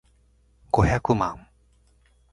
五百万